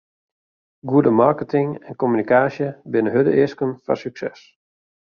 Goede marketing en kommunikaasje binne hurde easken foar sukses.